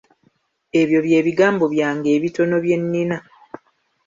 Ebyo bye bigambo byange ebitono bye nnina.